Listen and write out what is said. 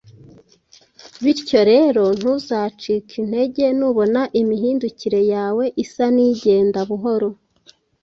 bityo rero ntuzacike intege nubona imihindukire yawe isa nigenda buhoro.